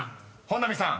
［本並さん